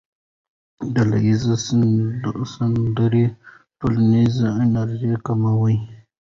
ډلهییزې سندرې ټولنیزه انزوا کموي.